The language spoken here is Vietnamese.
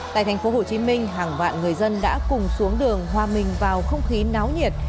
tại thành phố hồ chí minh hàng vạn người dân đã cùng xuống đường hòa mình vào không khí náo nhiệt